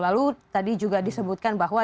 lalu tadi juga disebutkan bahwa